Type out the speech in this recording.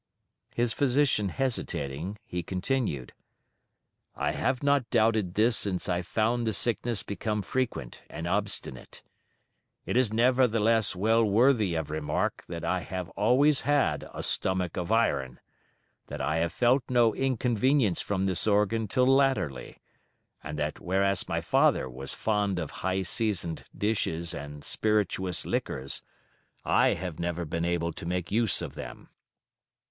His physician hesitating, he continued "I have not doubted this since I found the sickness become frequent and obstinate. It is nevertheless well worthy of remark that I have always had a stomach of iron, that I have felt no inconvenience from this organ till latterly, and that whereas my father was fond of high seasoned dishes and spirituous liquors, I have never been able to make use of them.